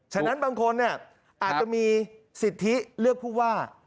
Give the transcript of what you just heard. ฉะนั้นบางคนอาจจะมีสิทธิเลือกผู้ว่า